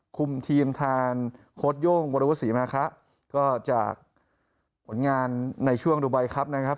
คุมทีมแทนโค้ดโย่งวรวุษีมาคะก็จากผลงานในช่วงดูไบครับนะครับ